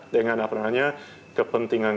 dengan apa namanya kepentingan